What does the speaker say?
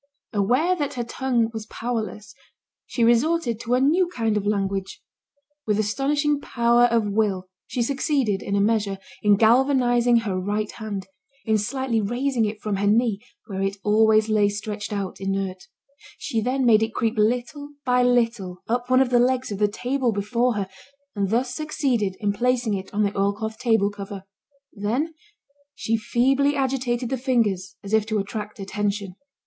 Aware that her tongue was powerless, she resorted to a new kind of language. With astonishing power of will, she succeeded, in a measure, in galvanising her right hand, in slightly raising it from her knee, where it always lay stretched out, inert; she then made it creep little by little up one of the legs of the table before her, and thus succeeded in placing it on the oilcloth table cover. Then, she feebly agitated the fingers as if to attract attention.